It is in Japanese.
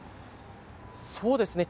そうですね。